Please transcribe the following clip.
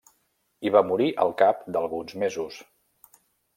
Hi va morir al cap d'alguns mesos.